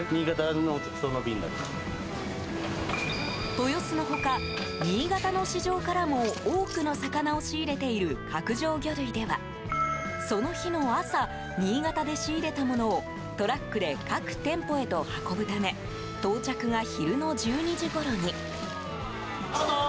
豊洲の他、新潟の市場からも多くの魚を仕入れている角上魚類ではその日の朝新潟で仕入れたものをトラックで各店舗へと運ぶため到着が昼の１２時ごろに。